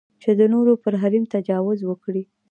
چې د نورو پر حریم تجاوز وکړي.